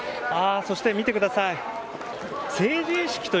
そして、見てください。